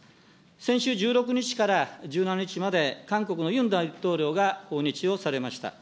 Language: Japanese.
先週１６日から１７日まで、韓国のユン大統領が訪日をされました。